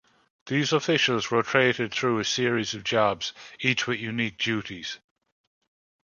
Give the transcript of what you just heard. These officials rotated through a series of jobs, each with unique duties.